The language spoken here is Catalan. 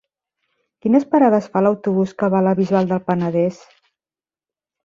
Quines parades fa l'autobús que va a la Bisbal del Penedès?